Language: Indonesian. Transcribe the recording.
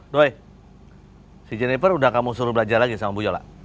doy si jennifer udah kamu suruh belajar lagi sama bu yola